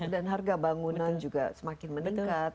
dan harga bangunan juga semakin meningkat